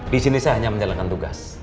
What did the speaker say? di sini saya hanya menjalankan tugas